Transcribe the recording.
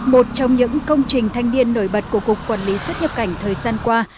một trong những công trình thanh niên nổi bật của cục quản lý xuất nhập cảnh thời gian qua